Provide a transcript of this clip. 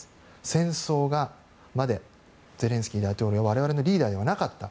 戦争までゼレンスキー大統領は我々のリーダーではなかった。